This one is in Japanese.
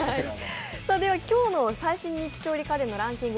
今日の最新ニッチ調理家電ランキング